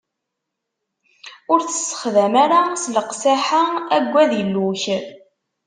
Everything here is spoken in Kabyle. Ur t-ssexdam ara s leqsaḥa, aggad Illu-ik.